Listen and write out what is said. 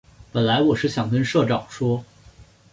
本来我是想跟社长说